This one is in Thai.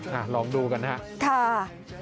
นี่ลองดูกันฮะท่า